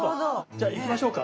じゃあいきましょうか。